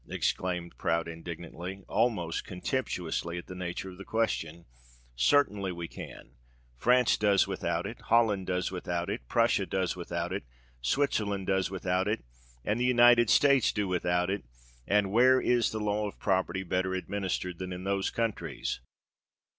exclaimed Prout, indignantly—almost contemptuously, at the nature of the question: "certainly we can! France does without it—Holland does without it—Prussia does without it—Switzerland does without it—and the United States do without it;—and where is the law of property better administered than in those countries?